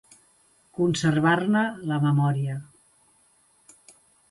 Conservar-ne la memòria.